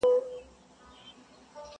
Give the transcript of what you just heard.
په ژړا ژړا یې وایستم له ښاره٫